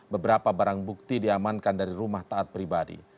beberapa barang bukti diamankan dari rumah taat pribadi